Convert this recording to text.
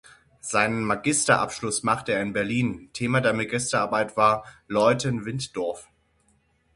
Seinen Magisterabschluss machte er in Berlin, Thema der Magisterarbeit war "Leuthen-Wintdorf.